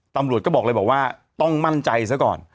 ตำรวจก็บอกเลยบอกว่าต้องมั่นใจซะก่อน